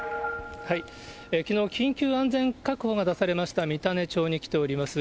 きのう、緊急安全確保が出されました三種町に来ております。